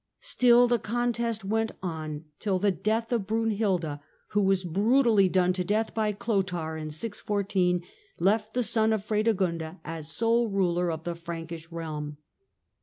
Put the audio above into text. Still the contest went on, till the death of Brunhilda, who was brutally done to death by Clotair in 614, left the son of Fredegonda as sole ruler of the Frankish realm.